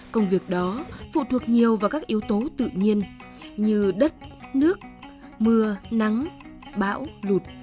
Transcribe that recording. công việc đó phụ thuộc nhiều vào các yếu tố tự nhiên như đất nước mưa nắng bão lụt